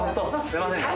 すいません